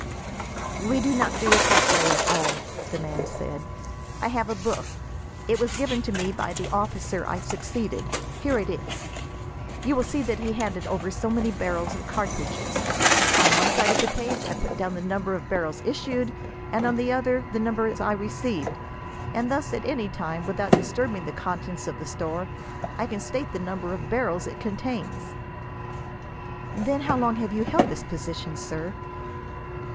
"We do not do it that way at all," the man said. "I have a book. It was given to me by the officer I succeeded. Here it is. You will see that he handed over so many barrels of cartridges. On one side of the page I put down the number of barrels issued, and on the other the number I receive, and thus, at any time, without disturbing the contents of the store, I can state the number of barrels it contains." "Then how long have you held this position, sir?"